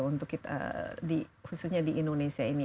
untuk khususnya di indonesia ini